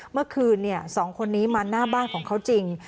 เมื่อคืนสองคนนี้มาหน้าบ้านของเขาจริง